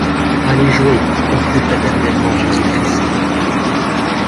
Allez jouer, conclut paternellement Jésus-Christ.